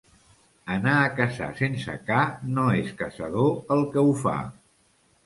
Anar a caçar sense ca, no és caçador el que ho fa.